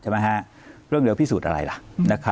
เรื่องเร็วพิสูจน์อะไรล่ะ